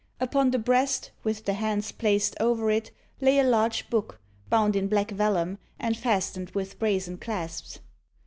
Upon the breast, with the hands placed over it, lay a large book, bound in black vellum, and fastened with brazen clasps.